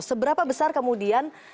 seberapa besar kemudian